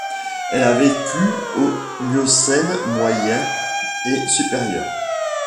Elle a vécu au Miocène moyen et supérieur.